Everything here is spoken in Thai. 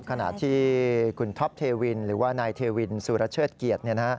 ขณะที่คุณท็อปเทวินหรือว่านายเทวินสุรเชิดเกียรติ